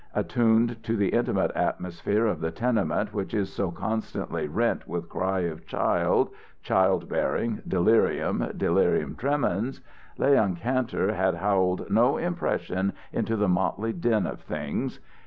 Attuned to the intimate atmosphere of the tenement which is so constantly rent with cry of child, child bearing, delirium, delirium tremens, Leon Kantor had howled no impression into the motley din of things.